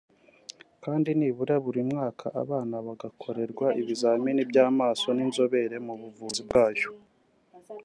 kandi nibura buri mwaka abana bagakorerwa ibizimini by’amaso n’inzobere mu buvuzi bwayo